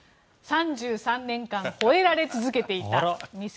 ３３年間吠えられ続けていた。